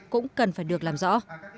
cũng cần phải được làm rõ